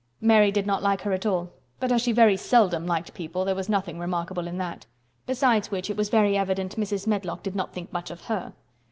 Mary did not like her at all, but as she very seldom liked people there was nothing remarkable in that; besides which it was very evident Mrs. Medlock did not think much of her.